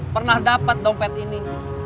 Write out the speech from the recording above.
pernah dapat dompet ini